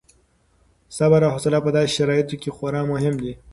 صبر او حوصله په داسې شرایطو کې خورا مهم دي.